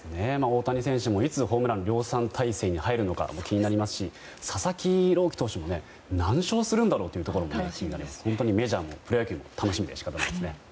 大谷選手もいつホームラン量産体制に入るのか気になりますし佐々木朗希投手も何勝するんだろうというのが本当にメジャーもプロ野球も楽しみで仕方ないですね。